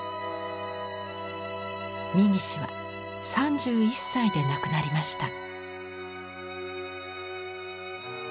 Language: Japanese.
三岸は３１歳で亡くなりました。